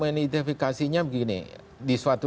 identifikasinya begini di suatu